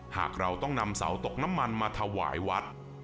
หากเราต้องนำเสาตกน้ำมันมาถวายวัด